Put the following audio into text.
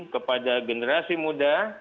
kepada generasi muda